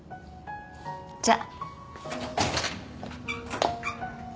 じゃあ。